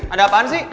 ada apaan sih